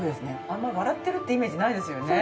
あんまり笑ってるってイメージないですよね。